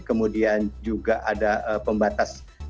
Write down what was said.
kemudian juga ada pembatas